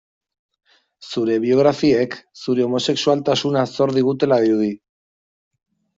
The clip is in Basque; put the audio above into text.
Zure biografiek zure homosexualtasuna zor digutela dirudi.